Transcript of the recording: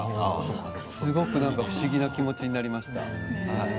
すごく不思議な気持ちになりました。